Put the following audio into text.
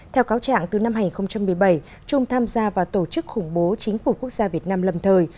theo cáo trạng từ năm hai nghìn một mươi bảy trung tham gia vào tổ chức khủng bố chính phủ quốc gia việt nam lâm thời